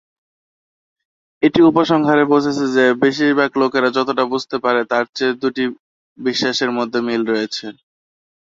এটি উপসংহারে পৌঁছেছে যে বেশিরভাগ লোকেরা যতটা বুঝতে পারে তার চেয়ে দুটি বিশ্বাসের মধ্যে বেশি মিল রয়েছে।